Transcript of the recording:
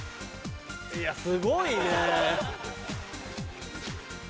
いやすごいねぇ。